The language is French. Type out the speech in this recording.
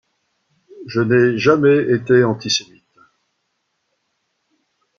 Je n'ai jamais été antisémite.